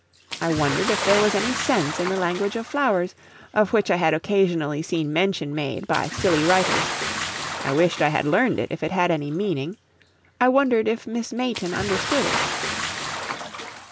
I wondered if there was any sense in the language of flowers, of which I had occasionally seen mention made by silly writers; I wished I had learned it if it had any meaning; I wondered if Miss Mayton understood it.